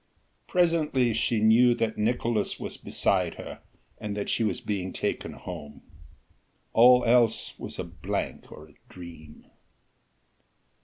Presently she knew that Nicolaes was beside her, and that she was being taken home. All else was a blank or a dream.